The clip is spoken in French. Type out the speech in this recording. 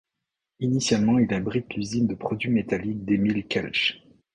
Initialement il abrite l'usine de produits métalliques d’Emile Kelch.